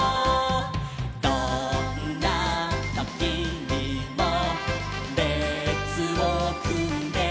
「どんなときにもれつをくんで」